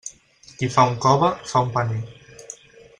Qui fa un cove, fa un paner.